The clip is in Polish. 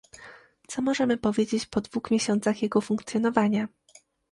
Co możemy powiedzieć po dwóch miesiącach jego funkcjonowania?